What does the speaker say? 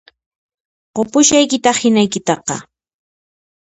Qupushaykitáq qinaykitaqá